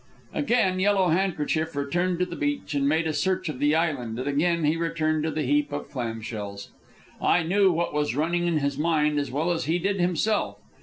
Again Yellow Handkerchief returned to the beach and made a search of the island, and again he returned to the heap of clam shells. I knew what was running in his mind as well as he did himself.